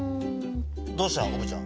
どうしたの？